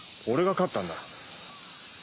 俺が勝ったんだ。